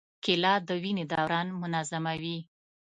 کېله د وینې دوران منظموي.